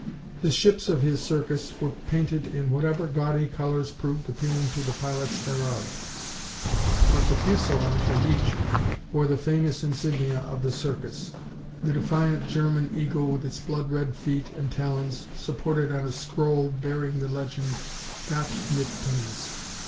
The ships of his Circus were painted in whatever gaudy colors proved appealing to the pilots thereof, but the fuselage of each bore the famous insignia of the Circus the defiant German eagle with its blood red feet and talons supported on a scroll bearing the legend, Gott Mit Uns.